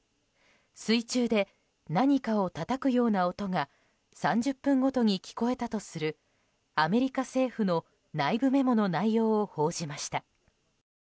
水中で何かをたたくような男が３０分ごとに聞こえたとするアメリカ政府の内部メモの内容を報じました。